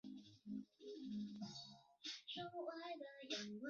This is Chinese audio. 他早年就读东华三院李志雄纪念小学和天主教鸣远中学。